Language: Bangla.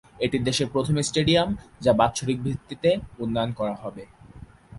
এটি দেশের প্রথম স্টেডিয়াম যা বাৎসরিক ভিত্তিতে উন্নয়ন করা হবে।